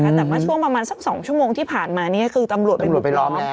แต่มาชั่วประมาณที่สองชั่วโมงที่ผ่านมาเนี้ยคือตำรวจอ๋อตำรวจไปกลอมแล้ว